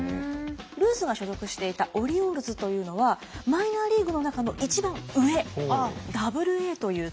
ルースが所属していたオリオールズというのはマイナーリーグの中の一番上ＡＡという所。